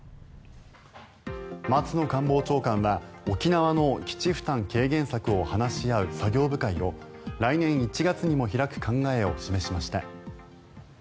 松野官房長官は沖縄の基地負担軽減策を話し合う作業部会を来年１月にも開く考えを示しました。